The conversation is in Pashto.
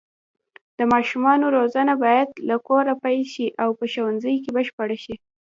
د ماشومانو روزنه باید له کوره پیل شي او په ښوونځي کې بشپړه شي.